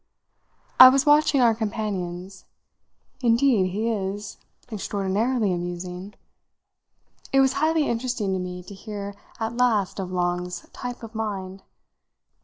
I was watching our companions. "Indeed he is extraordinarily amusing." It was highly interesting to me to hear at last of Long's "type of mind."